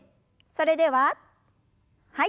それでははい。